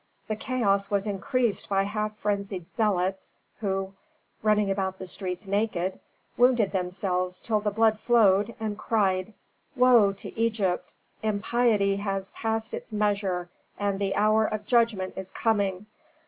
The chaos was increased by half frenzied zealots, who, running about the streets naked, wounded themselves till the blood flowed, and cried, "Woe to Egypt! Impiety has passed its measure and the hour of judgment is coming!